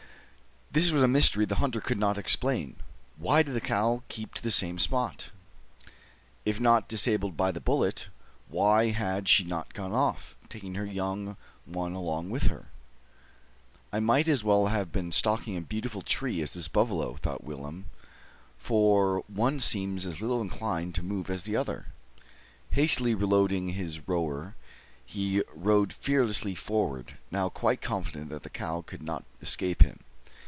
This was a mystery the hunter could not explain. Why did the cow keep to the same spot? If not disabled by the bullet, why had she not gone off, taking her young one along with her? "I might as well have been stalking a tree as this buffalo," thought Willem, "for one seems as little inclined to move as the other." Hastily reloading his roer, he rode fearlessly forward, now quite confident that the cow could not escape him.